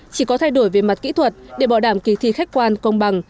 chỉ có thay đổi về mặt kỹ thuật để bảo đảm kỳ thi khách quan công bằng